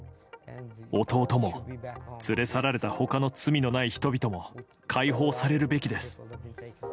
弟も、連れ去られたほかの罪のない人々も、解放されるべきです。